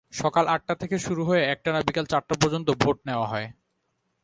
সকাল আটটা থেকে শুরু হয়ে একটানা বিকেল চারটা পর্যন্ত ভোট নেওয়া হয়।